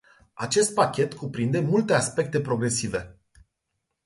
Acest pachet cuprinde multe aspecte progresive.